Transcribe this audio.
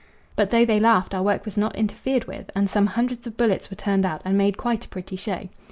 But though they laughed, our work was not interfered with, and some hundreds of bullets were turned out and made quite a pretty show.